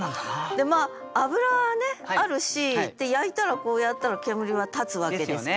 でまあ脂あるし焼いたらこうやったら煙は立つわけですから。